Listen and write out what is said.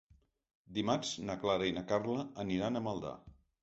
Dimarts na Clara i na Carla aniran a Maldà.